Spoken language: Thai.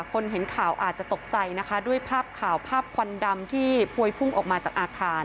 คนเห็นข่าวอาจจะตกใจนะคะด้วยภาพข่าวภาพควันดำที่พวยพุ่งออกมาจากอาคาร